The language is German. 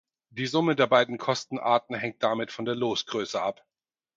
Die Summe der beiden Kostenarten hängt damit von der Losgröße ab.